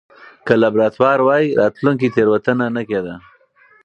که لابراتوار واي، راتلونکې تېروتنه نه کېده.